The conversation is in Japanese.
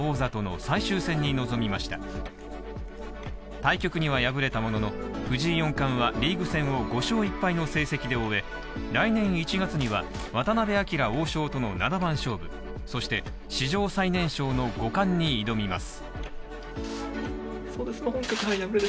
対局には敗れたものの、藤井４冠はリーグ戦を５勝１敗の成績で終え来年１月には渡辺明王将との７番勝負、そして史上最年少の５冠に挑みます。